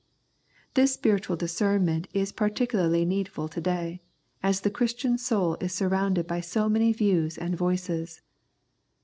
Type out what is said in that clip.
This spiritual discernment is particularly needful to day, as the Christian soul is sur rounded by so many views and voices.